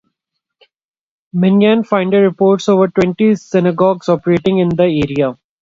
Minyan Finder reports over twenty synagogues operating in the area.